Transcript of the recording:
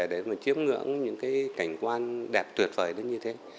để mà chiếm ngưỡng những cái cảnh quan đẹp tuyệt vời nó như thế